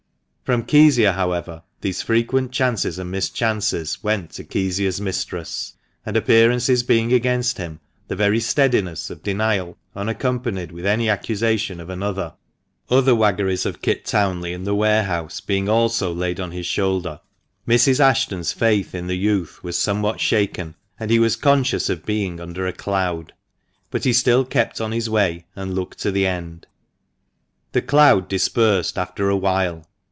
From Kezia, however, these frequent chances and mischances went to Kezia's mistress ; and, appearances being against him, the very steadiness of denial, unaccompanied with any accusation of another (other waggeries of Kit Townley in the warehouse THE MANCHESTER MAN. 139 being also laid on his shoulder), Mrs. Ashton's faith in the youth was somewhat shaken, and he was conscious of being under a cloud. But he still kept on his way, and looked to the end The cloud dispersed after a while.